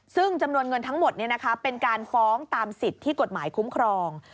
ซึ่งจำนวนเงินทั้งหมดเป็นการฟ้องตามสิทธิ์ที่กฎหมายคุ้มครอง